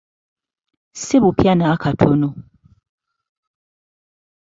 Sibupya n'akatono